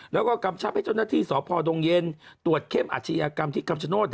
แล้วก็กำชับให้เจ้าหน้าที่สพดงเย็นตรวจเข้มอาชญากรรมที่คำชโนธ